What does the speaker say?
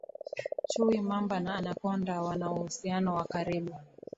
chui mamba na anakonda wana uhusiano wa karibu